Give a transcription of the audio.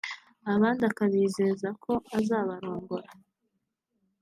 abandi akabizeza ko azabarongora